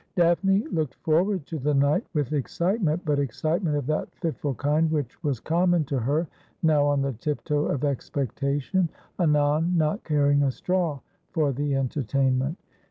Daphne looked forward to the night with excitement, but excitement of that fitful kind which was common to her— now on the tiptoe of expectation, anon not caring a straw for the enter tainment.